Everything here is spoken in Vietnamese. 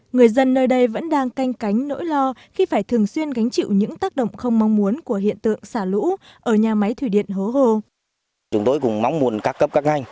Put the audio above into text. người dân nơi đây vẫn đang canh cánh nỗi lo khi phải thường xuyên gánh chịu những tác động không mong muốn của hiện tượng xả lũ ở nhà máy thủy điện hố hồ